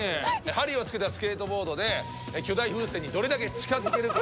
針をつけたスケートボードで巨大風船にどれだけ近づけるか。